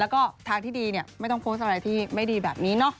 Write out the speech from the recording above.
แล้วก็ทางที่ดีเนี่ยไม่ต้องโพสต์อะไรที่ไม่ดีแบบนี้เนาะ